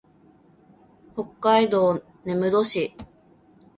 北海道根室市